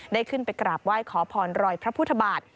ได้ขึ้นไปกราบไหว้ขอพรรอยพระพุทธบาท